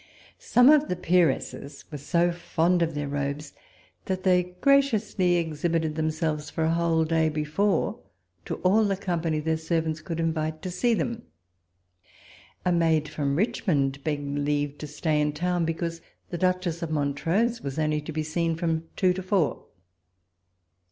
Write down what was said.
Some of the peeresses were so fond of their robes, that they graciously exhibited themselves for a whole day before all the company their servants could invite to see them. A maid from Richmond begged leave to stay in town because the Duchess of Montrose was only to be seen from two to four.